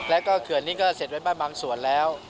แล้วก็เขื่อนนี้ก็เสร็จไว้บ้านบางส่วนแล้ว